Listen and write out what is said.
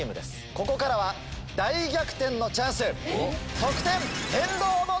ここからは大逆転のチャンス。